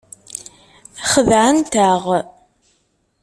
Xedɛent-aɣ.